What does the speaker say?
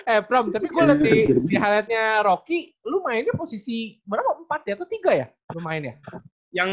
eh prom tapi gue liat di haletnya rocky lu mainnya posisi berapa empat ya atau tiga ya lu mainnya